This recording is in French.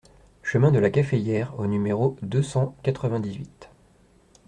Chemin de la Caféière au numéro deux cent quatre-vingt-dix-huit